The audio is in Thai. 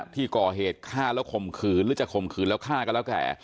ที่ก่อเหตุฆ่าแล้วข่มขืนหรือจะข่มขืนแล้วฆ่าก็แล้วแต่